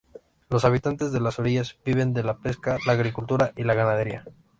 Los habitantes de las orillas viven de la pesca, la agricultura y la ganadería.